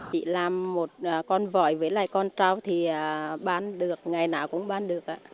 chị làm một con voi với lại con trâu thì bán được ngày nào cũng bán được ạ